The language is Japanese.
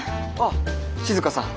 あ静さん。